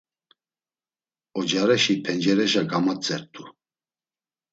Ocareşi pencereşa gamatzert̆u.